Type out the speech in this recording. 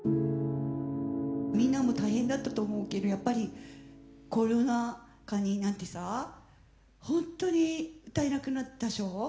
みんなも大変だったと思うけどやっぱりコロナ禍になってさ本当に歌えなくなったっしょ？